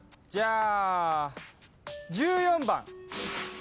じゃあ１４番。